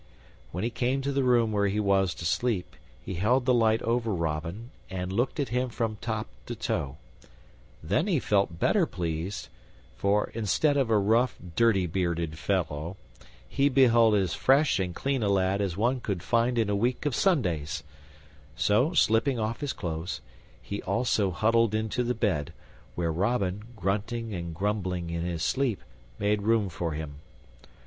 When he came to the room where he was to sleep he held the light over Robin and looked at him from top to toe; then he felt better pleased, for, instead, of a rough, dirty bearded fellow, he beheld as fresh and clean a lad as one could find in a week of Sundays; so, slipping off his clothes, he also huddled into the bed, where Robin, grunting and grumbling in his sleep, made room for him.